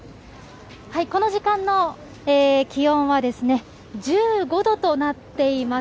この時間の気温は１５度となっています。